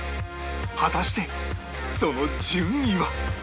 果たしてその順位は？